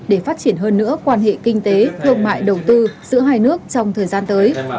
để phát triển hơn nữa quan hệ kinh tế thương mại đầu tư giữa hai nước trong thời gian tới